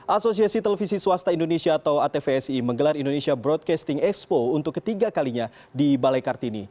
asosiasi televisi swasta indonesia atau atvsi menggelar indonesia broadcasting expo untuk ketiga kalinya di balai kartini